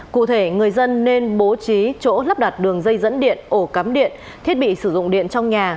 cụ thể người dân nên bố trí chỗ lắp đặt đường dây dẫn điện ổ cắm điện thiết bị sử dụng điện trong nhà